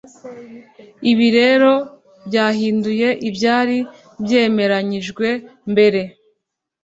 ibi rero byahinduye ibyari byemeranyijwe mbere